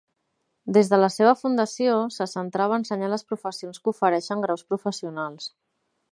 Des de la seva fundació, se centrava a ensenyar les professions que ofereixen graus professionals.